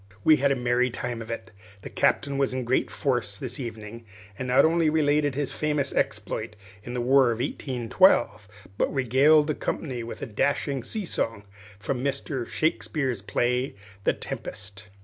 We had a merry time of it. The Captain was in great force this evening, and not only related his famous exploit in the War of 1812, but regaled the company with a dashing sea song from Mr. Shakespeare's play of The Tempest.